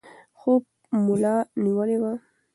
خوب ملا نیولی و.